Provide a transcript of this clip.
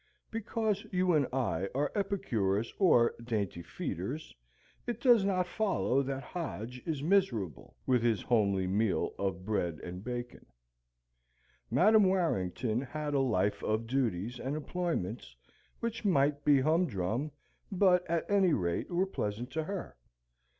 Because you and I are epicures or dainty feeders, it does not follow that Hodge is miserable with his homely meal of bread and bacon. Madam Warrington had a life of duties and employments which might be humdrum, but at any rate were pleasant to her.